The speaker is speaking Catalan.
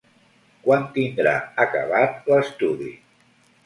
Quan tindrà acabat l'estudi?